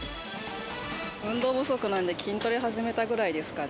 運動不足なんで、筋トレ始めたぐらいですかね。